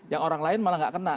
yang orang lain malah nggak kena